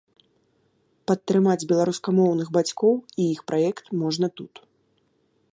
Падтрымаць беларускамоўных бацькоў і іх праект можна тут.